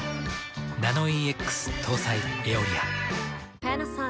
ナノイーＸ搭載「エオリア」。